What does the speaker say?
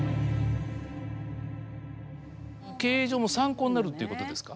経営上も参考になるっていうことですか。